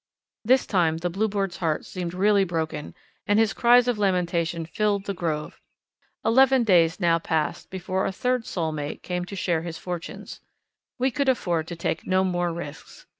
This time the Bluebird's heart seemed really broken and his cries of lamentation filled the grove. Eleven days now passed before a third soul mate came to share his fortunes. We could afford to take no more risks.